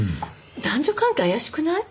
男女関係怪しくない？